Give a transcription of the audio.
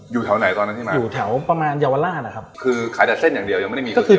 อยู่แถวไหนตอนนั้นที่มาอยู่แถวประมาณเยาวราชนะครับคือขายแต่เส้นอย่างเดียวยังไม่ได้มีก็คือ